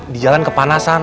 di jalan kepanasan